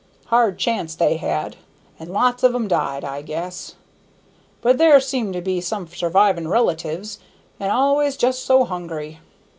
Hard chance they had, and lots of 'em died, I guess; but there seem to be some survivin' relatives, an' al'ays just so hungry!